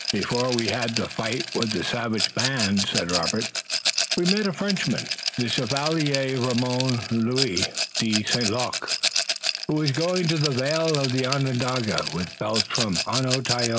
"Before we had the fight with the savage band," said Robert, "we met a Frenchman, the Chevalier Raymond Louis de St. Luc, who was going to the vale of Onondaga with belts from Onontio.